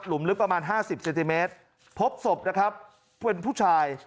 หลุมลึกประมาณห้าสิบเซติเมตรพบศพนะครับเป็นผู้ชาย